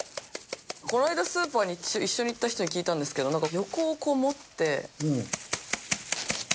この間スーパーに一緒に行った人に聞いたんですけどなんか横をこう持って。